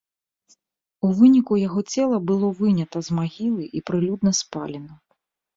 У выніку яго цела было вынята з магілы і прылюдна спалена.